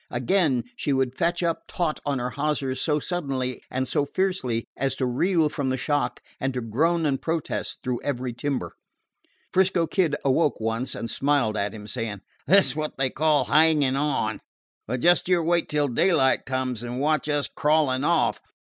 Again, she would fetch up taut on her hawsers so suddenly and so fiercely as to reel from the shock and to groan and protest through every timber. 'Frisco Kid awoke once, and smiled at him, saying: "This is what they call hangin' on. But just you wait till daylight comes, and watch us clawin' off.